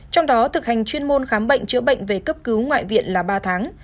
trong đó thực hành chuyên môn khám bệnh chữa bệnh về cấp cứu ngoại viện là ba tháng